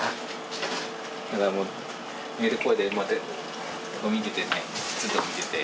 だからもうこうやって見ててねずっと見てて。